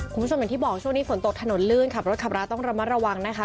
คุณผู้ชมอย่างที่บอกช่วงนี้ฝนตกถนนลื่นขับรถขับร้าต้องระมัดระวังนะคะ